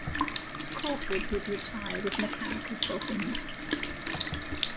Crawford would retire with mechanical problems.